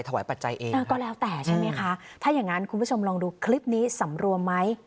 ปัจจัยเองก็แล้วแต่ใช่ไหมคะถ้าอย่างงั้นคุณผู้ชมลองดูคลิปนี้สำรวมไหม